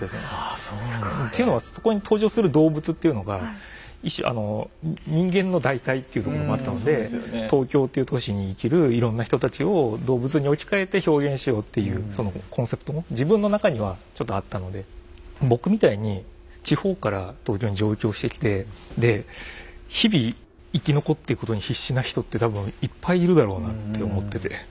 そこに登場する動物っていうのが一種人間の代替っていうとこもあったので東京っていう都市に生きるいろんな人たちを動物に置き換えて表現しようっていうそのコンセプトも自分の中にはちょっとあったので僕みたいに地方から東京に上京してきてで日々生き残っていくことに必死な人って多分いっぱいいるだろうなって思ってて。